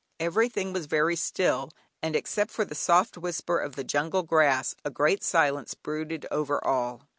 Everything was very still, and except for the soft whisper of the jungle grass, a great silence brooded over all.